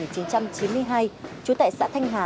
trú tại xã thanh hà huyện thanh liêm